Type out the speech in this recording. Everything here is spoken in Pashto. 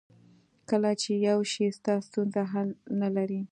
کله چې پوه شې ستا ستونزه حل نه لري.